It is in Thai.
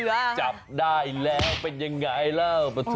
พูดจับได้แล้วเป็นยังไงล่ะทุกคน